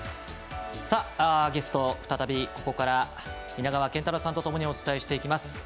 ゲスト、再びここから皆川賢太郎さんと一緒にお伝えしていきます。